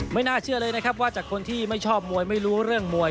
น่าเชื่อเลยนะครับว่าจากคนที่ไม่ชอบมวยไม่รู้เรื่องมวย